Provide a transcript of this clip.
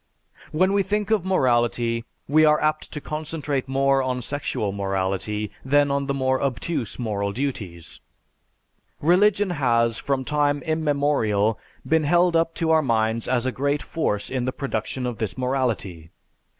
When we think of morality we are apt to concentrate more on sexual morality than on the more obtuse moral duties. Religion has from time immemorial been held up to our minds as a great force in the production of this morality.